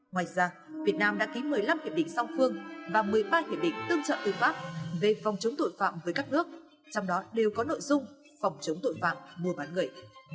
ngoài ra việt nam đã ký một mươi năm hiệp định song phương và một mươi ba hiệp định tương trợ tư pháp về phòng chống tội phạm với các nước trong đó đều có nội dung phòng chống tội phạm mua bán người